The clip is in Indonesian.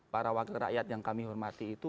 para wakil rakyat yang kami hormati itu